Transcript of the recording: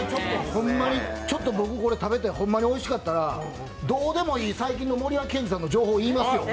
ちょっと僕これ食べてホンマにおいしかったらどうでもいい最近の森脇健児さんの情報、言いますよ。